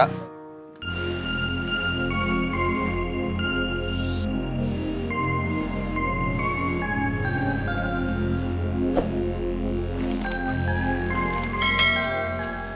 pembangunan di jakarta